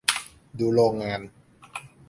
ดูโรงงาน